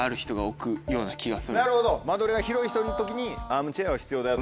なるほど間取りが広い人の時にアームチェアは必要であると。